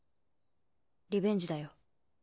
リベンジだよ。